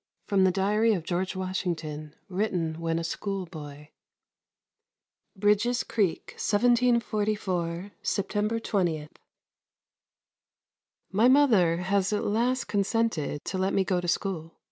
V FROM THE DIARY OF GEORGE WASHINGTON WRITTEN WHEN A SCHOOLBOY Bridges Creek, 1744, September 20. My mother has at last consented to let me go to school.